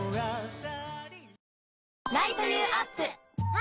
あ！